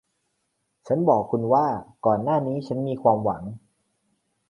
ฉันบอกคุณว่าก่อนหน้านี้ฉันมีความหวัง